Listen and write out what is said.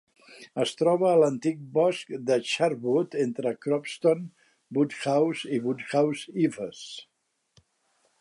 Es troba a l'antic Bosc de Charnwood, entre Cropston, Woodhouse i Woodhouse Eaves.